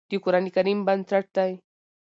د قرآن کريم بنسټ دی